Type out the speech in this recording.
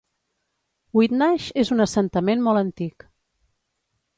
Whitnash és un assentament molt antic.